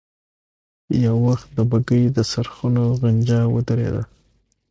يو وخت د بګۍ د څرخونو غنجا ودرېده.